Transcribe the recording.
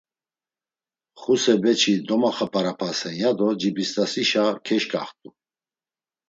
Xuse beçi domaxap̌arapasen, ya do Cibist̆asişa keşǩaxt̆u.